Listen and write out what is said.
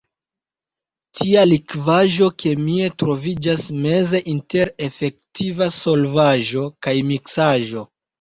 Tia likvaĵo kemie troviĝas meze inter efektiva solvaĵo kaj miksaĵo.